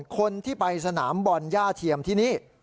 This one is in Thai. คนที่ไปสนามบอลย่าเทียมที่นี่